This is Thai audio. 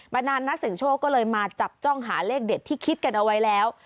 นานนักเสียงโชคก็เลยมาจับจ้องหาเลขเด็ดที่คิดกันเอาไว้แล้ว